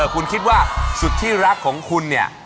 คุณคิดว่าสุดที่รักของคุณเนี่ย